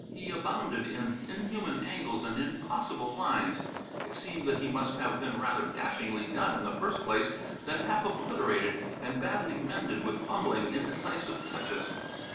He abounded in inhuman angles and impossible lines. It seemed that he must have been rather dashingly done in the first place, then half obliterated and badly mended with fumbling, indecisive touches.